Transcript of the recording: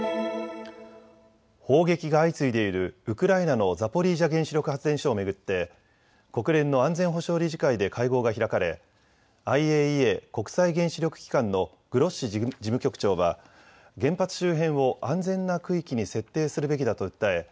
砲撃が相次いでいるウクライナのザポリージャ原子力発電所を巡って国連の安全保障理事会で会合が開かれＩＡＥＡ・国際原子力機関のグロッシ事務局長は原発周辺を安全な区域に設定するべきだと訴え